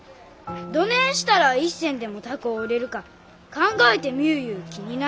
どねんしたら一銭でも高う売れるか考えてみゅういう気になった。